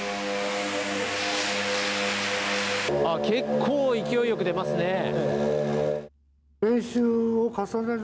結構、勢いよく出ますね。